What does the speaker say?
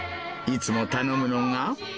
いつも頼むのが。